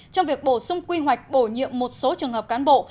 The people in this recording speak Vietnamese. trong việc bổ sung quy hoạch bổ nhiệm một số trường hợp cán bộ